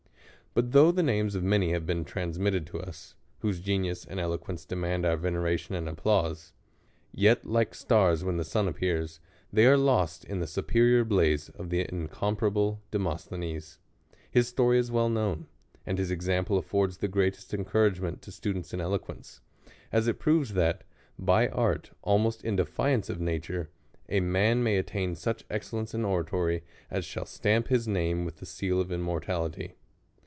But though the names of many have been trans mitted to us, whose genius and eloquence demand our veiteration and applause ; yet, like stars when the sun appears, they are lost in the superior blaze of the in comparable Demosthenes. His story is well known ; and his example affords the greatest encouragement to students in eloquence ; as it proves, that, by art, almost in defiance of nature, a man may attain such excellence in oratory, as shall stamp his name with the seal of im mortality.